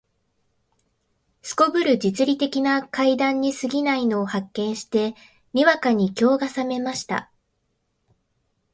頗る実利的な階段に過ぎないのを発見して、にわかに興が覚めました